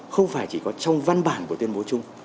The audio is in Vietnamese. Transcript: không phải chỉ có trong văn bản của tuyên bố chung